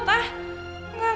ga tau apa yang